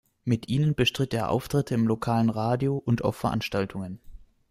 Mit ihnen bestritt er Auftritte im lokalen Radio und auf Veranstaltungen.